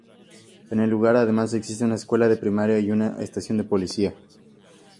En el lugar además existe una escuela de primaria y una estación de policía.